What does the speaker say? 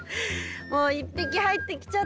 もう一匹入ってきちゃったら。